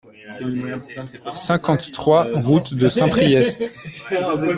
cinquante-trois route de Saint-Priest